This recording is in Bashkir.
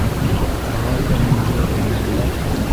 Ағай-энеңде яманлап